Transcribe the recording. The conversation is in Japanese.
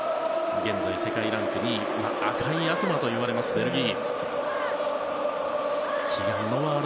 現在、世界ランク２位赤い悪魔と言われますベルギー。